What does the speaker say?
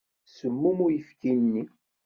Semmum uyefki-nni.